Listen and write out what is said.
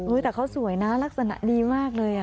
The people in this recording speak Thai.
แต่เขาสวยนะลักษณะดีมากเลย